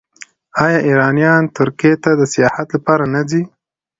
آیا ایرانیان ترکیې ته د سیاحت لپاره نه ځي؟